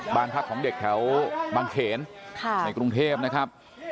บ้านพักของเด็กแถวบางเขนในกรุงเทพนะครับ